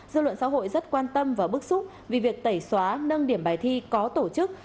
dư luận xã hội rất quan tâm và bức xúc vì việc tẩy xóa nâng điểm bài thi có tổ chức